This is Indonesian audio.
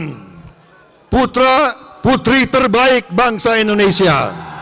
kami ingin memperoleh perempuan dan putri terbaik bangsa indonesia